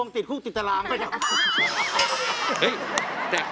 ต้นทนาคาร